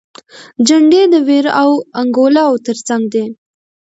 جنډې د ویر او انګولاوو تر څنګ دي.